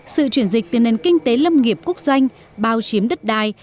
sự chuyển dịch từ nền kinh tế lâm nghiệp quốc doanh bao chiếm đất đai